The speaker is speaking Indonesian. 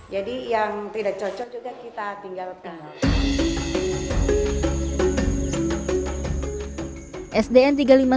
jadi yang tidak cocok juga kita tinggalkan